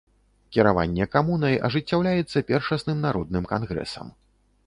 Кіраванне камунай ажыццяўляецца першасным народным кангрэсам.